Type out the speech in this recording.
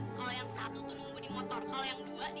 kalau yang satu tuh nunggu di motor kalau yang dua